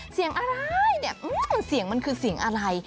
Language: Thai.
เสียงอะไรเนี่ยเสียงมันคือเสียงอะไร